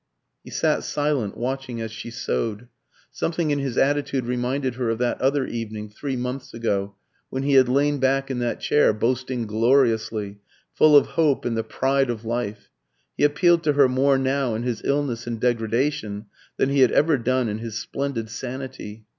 He sat silent, watching as she sewed. Something in his attitude reminded her of that other evening, three months ago, when he had lain back in that chair boasting gloriously, full of hope and the pride of life. He appealed to her more now in his illness and degradation than he had ever done in his splendid sanity.